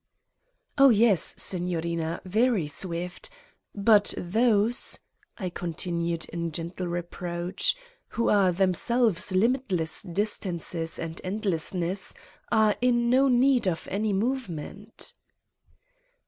"Oh, yes, Signorina, very swift! But those," I continued in gentle reproach, "who are them selves limitless distances and endlessness are in no need of any movement."